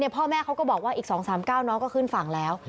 พ่อแม่เขาก็บอกว่าอีก๒๓๙น้องก็ขึ้นฝั่งแล้ว